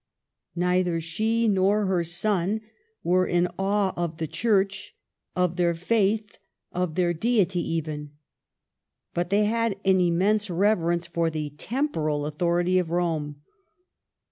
Neither she nor her son was in awe of the Church, of their faith, of their Deity even. But they had an immense reverence for the temporal authority of Rome.